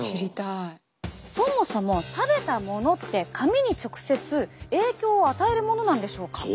そもそも食べたものって髪に直接影響を与えるものなんでしょうか？